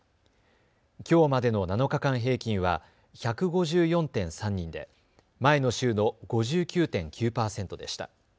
きょうまでの７日間平均は１５４．３人で前の週の５９．９％でした。